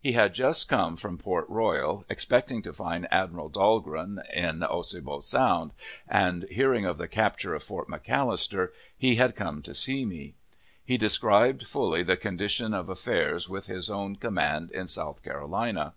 He had just come from Port Royal, expecting to find Admiral Dahlgren in Ossabaw Sound, and, hearing of the capture of Fort McAllister, he had come up to see me. He described fully the condition of affairs with his own command in South Carolina.